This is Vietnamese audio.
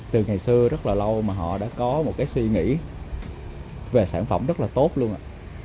từ ngày xưa rất là lâu mà họ đã có một cái suy nghĩ về sản phẩm rất là tốt luôn ạ